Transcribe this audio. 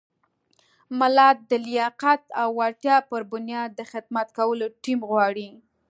ملت د لیاقت او وړتیا پر بنیاد د خدمت کولو ټیم غواړي.